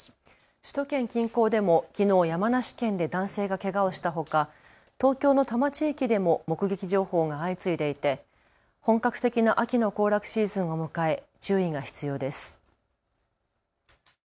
首都圏近郊でもきのう山梨県で男性がけがをしたほか東京の多摩地域でも目撃情報が相次いでいて本格的な秋の行楽シーズンを迎え注意が必要です。